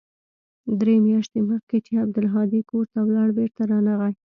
درې مياشتې مخکې چې عبدالهادي کور ته ولاړ بېرته رانغى.